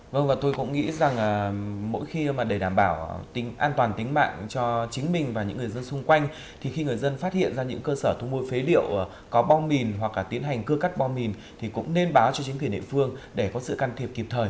vâng và tôi cũng nghĩ rằng mỗi khi mà để đảm bảo an toàn tính mạng cho chính mình và những người dân xung quanh thì khi người dân phát hiện ra những cơ sở thu môi phế liệu có bom mìn hoặc tiến hành cưa cắt bom mìn thì cũng nên báo cho chính quyền địa phương để có sự cắn chặt